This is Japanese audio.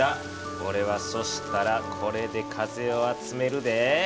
おれはそしたらこれで風を集めるで。